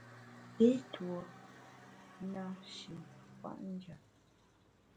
I tuo nashi kwet njap.